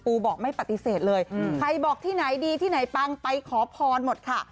บอกไม่ปฏิเสธเลยใครบอกที่ไหนดีที่ไหนปังไปขอพรหมดค่ะ